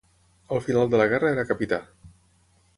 Al final de la guerra era capità.